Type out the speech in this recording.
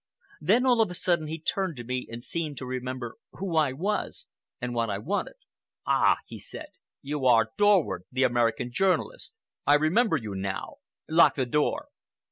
Then, all of a sudden, he turned to me and seemed to remember who I was and what I wanted. 'Ah!' he said, 'you are Dorward, the American journalist. I remember you now. Lock the door.